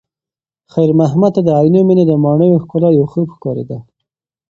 خیر محمد ته د عینومېنې د ماڼیو ښکلا یو خوب ښکارېده.